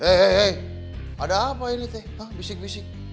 hehehe ada apa ini teh bisik bisik